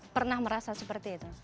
pernah merasa seperti itu